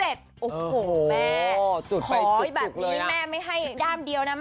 โอ้โฮแม่ขอแบบนี้แม่ไม่ให้ย่ามเดียวนะ